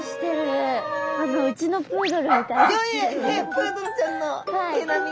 プードルちゃんの毛並み。